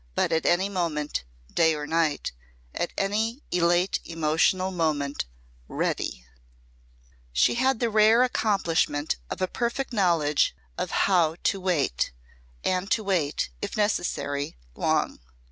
But at any moment day or night at any elate emotional moment ready! She had the rare accomplishment of a perfect knowledge of how to wait, and to wait if necessary long.